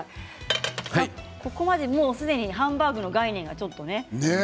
ここまですでにハンバーグの概念がちょっとね。